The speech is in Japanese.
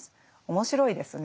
面白いですね。